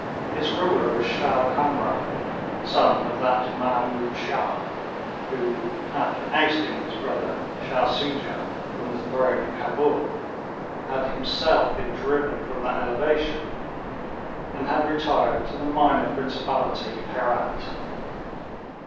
Its ruler was Shah Kamran, son of that Mahmoud Shah who, after ousting his brother Shah Soojah from the throne of Cabul, had himself been driven from that elevation, and had retired to the minor principality of Herat.